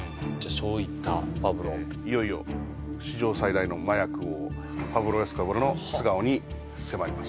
そういったパブロいよいよ史上最大の麻薬王パブロ・エスコバルの素顔に迫ります